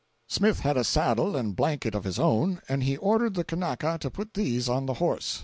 Smith had a saddle and blanket of his own, and he ordered the Kanaka to put these on the horse.